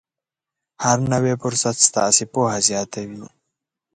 هر نوی فرصت ستاسې پوهه زیاتوي.